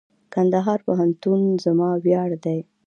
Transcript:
کندهار پوهنتون زما ویاړ دئ.